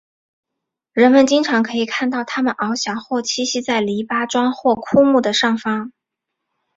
人们经常可以看到它们翱翔或栖息在篱笆桩或枯木的上方。